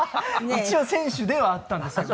一応選手ではあったんですけど当時。